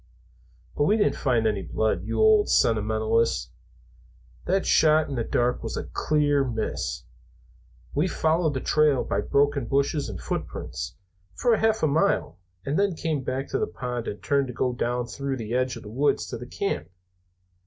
"But we didn't find any blood, you old sentimentalist. That shot in the dark was a clear miss. We followed the trail by broken bushes and footprints, for half a mile, and then came back to the pond and turned to go down through the edge of the woods to the camp.